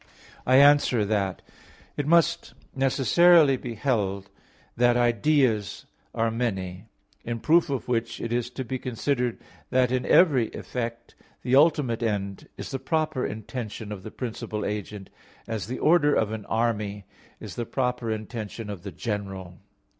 I answer that, It must necessarily be held that ideas are many. In proof of which it is to be considered that in every effect the ultimate end is the proper intention of the principal agent, as the order of an army (is the proper intention) of the general.